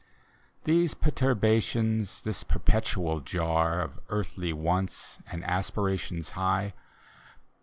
These perturbations, this perpetual jar Of earthly wants and aspirations high.